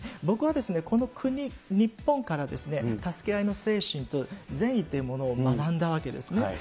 僕は、この国、日本から、助け合いの精神と善意というものを学んだわけですね。